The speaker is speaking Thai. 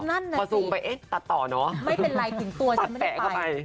นั่นแน่นิดสิตัดต่อเนอะตัดแตะเข้าไปไม่เป็นไรถึงตัวฉันไม่ได้ไป